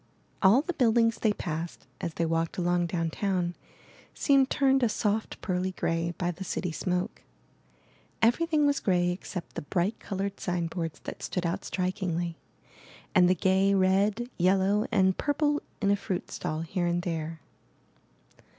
All the buildings they passed, as they walked along downtown, seemed turned a soft pearly gray by the city smoke; everything was gray except the bright colored sign boards that stood out strikingly, and the gay red, yellow, and purple in a fruit stall here and there.